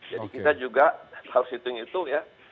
jadi kita juga harus hitung hitung ya